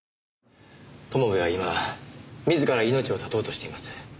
友部は今自ら命を絶とうとしています。